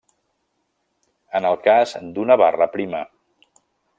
En el cas d'una barra prima.